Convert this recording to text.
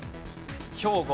兵庫。